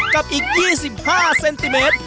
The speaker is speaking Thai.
กับอีกยี่สิบห้าเซนติเมตร